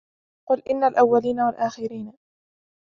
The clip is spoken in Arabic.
قُلْ إِنَّ الأَوَّلِينَ وَالآخِرِينَ